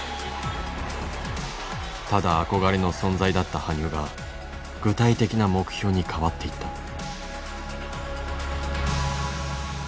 ただ憧れの存在だった羽生が具体的な目標に変わっていった。